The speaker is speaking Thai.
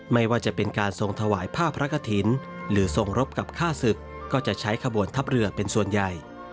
ไม่ว่าจะเป็นการทรงถวายผ้าพระกฐินหรือทรงรบกับค่าศึกก็จะใช้ขบวนทัพเรือเป็นส่วนใหญ่